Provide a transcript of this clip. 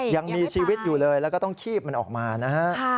ยังมีชีวิตอยู่เลยแล้วก็ต้องคีบมันออกมานะฮะ